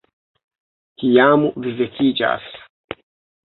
Kiam vi vekiĝas